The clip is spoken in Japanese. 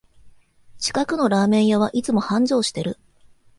近くのラーメン屋はいつも繁盛してる